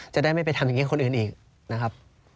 จะได้ไม่ไปทำอย่างนี้คนอื่นอีกนะครับ